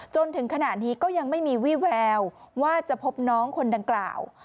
จนถึงขณะนี้ก็ยังไม่มีวี่แววว่าจะพบน้องคนดังกล่าว